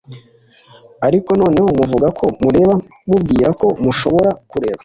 "Ariko noneho muvuga ko mureba." Mwibwira ko mushobora kureba,